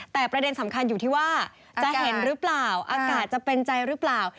แต่ประเด็นสำคัญอยู่ที่ว่าอากาศจะเป็นใจรึเปล่า